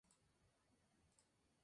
El guion fue escrito por Scott Z. Burns.